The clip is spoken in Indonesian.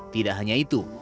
tidak hanya itu